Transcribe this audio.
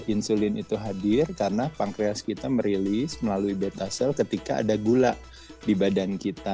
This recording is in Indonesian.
insulin itu hadir karena pankreas kita merilis melalui betasel ketika ada gula di badan kita